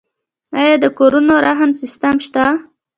آیا د کورونو رهن سیستم شته؟